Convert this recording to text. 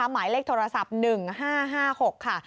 หมายเลขโทรศัพท์๑๕๕๖ค่ะ